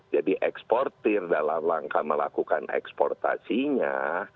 jadi eksportir dalam langkah melakukan eksportasinya